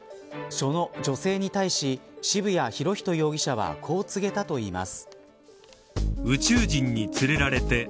その女性に対し渋谷博仁容疑者はこう告げたといいます。